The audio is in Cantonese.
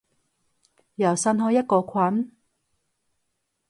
又新開一個群？